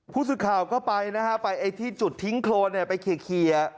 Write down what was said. ผู้สุดข่าวก็ไปนะครับไปที่จุดทิ้งโครงไปเคลียร์